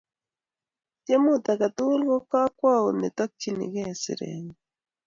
Tiemut age tugul ko kakwout ne takchinikei serengung